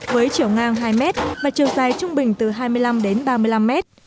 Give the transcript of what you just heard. với chiều ngang hai mét và chiều dài trung bình từ hai mươi năm đến ba mươi năm mét